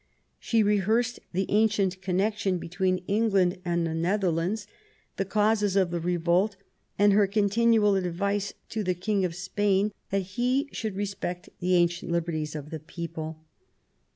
She rehearsed the ancient connection between England and the Netherlands, the causes of the revolt, and her continual advice to the King of Spain that he should respect the ancient 220 QUEEN ELIZABETH. liberties of the people.